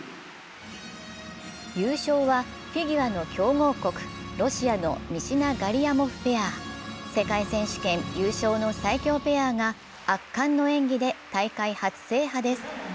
優勝はフィギュアの強豪国・ロシアのミシナ・ガリアモフペア世界選手権優勝の最強ペアが圧巻の演技で、大会初制覇です。